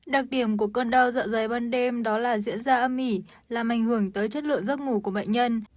đặc điểm của cơn đau dạ dày ban đêm đó là diễn ra âm mỉ làm ảnh hưởng tới chất lượng giấc ngủ của bệnh nhân